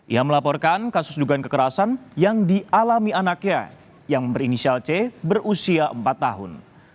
ia melaporkan kasus dugaan kekerasan yang dialami anaknya yang berinisial c berusia empat tahun